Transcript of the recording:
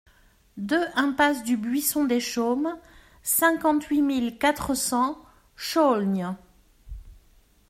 deux impasse du Buisson des Chaumes, cinquante-huit mille quatre cents Chaulgnes